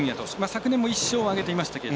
昨年も１勝を挙げていました。